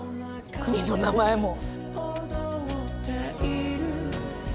国の名前も。